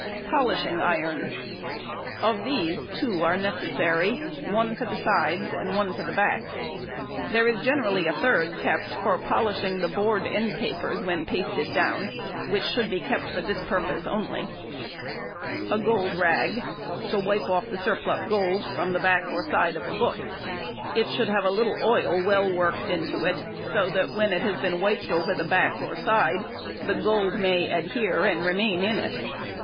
Polishing irons. Of these two are necessary—one for the sides and one for the backs. There is generally a third |119| kept for polishing the board end papers when pasted down, which should be kept for this purpose only. [Illustration: Polishing Iron.] A gold rag, to wipe off the surplus gold from the back or side of a book. It should have a little oil well worked into it, so that when it has been wiped over the back or side the gold may adhere and remain in it.